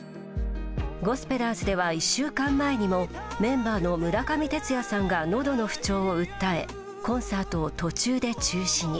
ゴスペラーズでは１週間前にもメンバーの村上てつやさんが喉の不調を訴えコンサートを途中で中止に。